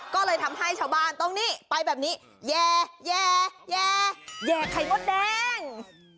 ก็เลยทำให้ชาวบ้านตรงนี้ไปแบบนี้แย่แย่ไข่มดแดง